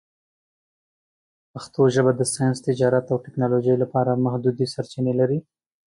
پښتو ژبه د ساینس، تجارت، او ټکنالوژۍ لپاره محدودې سرچینې لري.